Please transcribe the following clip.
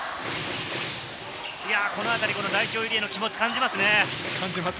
このあたり代表入りへの気持ちを感じますね。